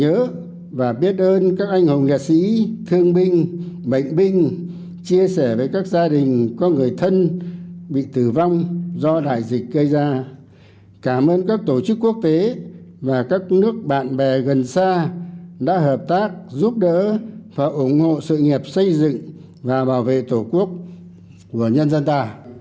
chúng ta tưởng nhớ và biết ơn các anh hùng nghệ sĩ thương mừng bệnh binh chia sẻ với các gia đình có người thân bị tử vong do đại dịch gây ra cảm ơn các tổ chức quốc tế và các nước bạn bè gần xa đã hợp tác giúp đỡ và ủng hộ sự nghiệp xây dựng và bảo vệ tổ quốc của nhân dân ta